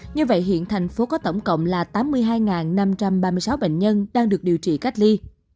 như vậy hiện thành phố có tổng cộng là tám mươi hai năm trăm ba mươi sáu bệnh nhân đang được điều trị cách ly